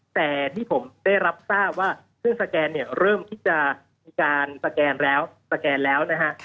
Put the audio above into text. แต่ที่ผมได้รับทราบว่าเครื่องสแกนเริ่มที่จะมีการสแกนแล้วนะฮะ